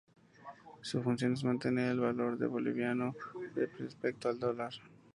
Su función es mantener el valor del Boliviano respecto al Dólar.